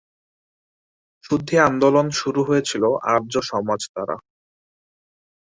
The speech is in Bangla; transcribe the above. শুদ্ধি আন্দোলন শুরু হয়েছিল আর্য সমাজ দ্বারা।